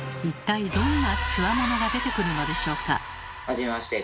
一体どんなつわものが出てくるのでしょうか。